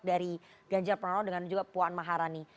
dari ganjar pranowo dengan juga puan maharani